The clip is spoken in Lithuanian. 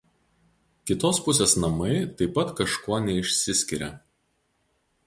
Kitos pusės namai taip pat kažkuo neišsiskiria.